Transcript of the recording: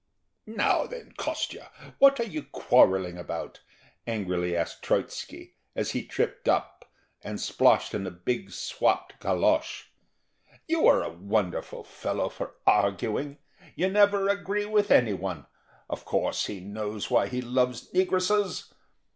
"Now, then, Kostya, what are you quarrelling about?" angrily asked Troitzky, as he tripped up, and sploshed in a big swapped galoche. "You are a wonderful fellow for arguing; you never agree with any one. Of course, he knows why he loves negresses.